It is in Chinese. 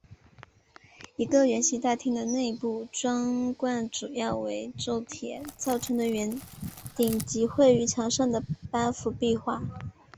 一楼圆形大厅的内部装潢主要为铸铁造成的圆顶及绘于墙上的八幅壁画。